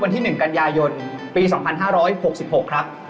วันที่หนึ่งกันยายนปีสองพันห้าร้อยหกสิบหกครับ